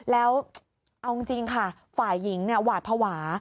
แล้วเอาจริงค่ะฝ่ายหญิงหวาดภาวะ